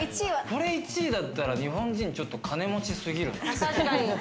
これ１位だったら、日本人ちょっと金持ちすぎる。